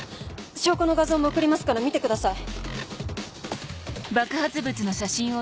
証拠の画像も送りますから見てください。